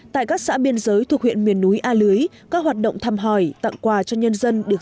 tại các xã biên giới thuộc huyện miền núi a lưới các hoạt động thăm hỏi tặng quà cho nhân dân